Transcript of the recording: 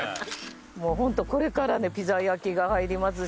もうホントこれからねピザ焼きが入りますし。